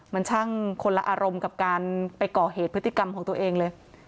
มันช่างคนละอารมณ์กับการไปก่อเหตุพฤติกรรมของตัวเองเลย